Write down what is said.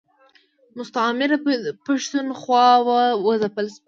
مستعمره پښتونخوا و ځپل شوه.